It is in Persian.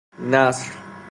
نصر